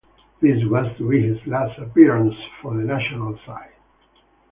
This was to be his last appearance for the national side.